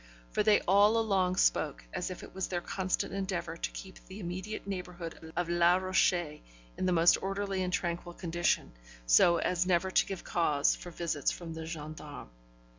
For they all along spoke as if it was their constant endeavour to keep the immediate neighbourhood of Les Rochers in the most orderly and tranquil condition, so as never to give cause for visits from the gendarmes.